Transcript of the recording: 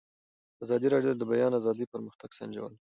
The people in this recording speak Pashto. ازادي راډیو د د بیان آزادي پرمختګ سنجولی.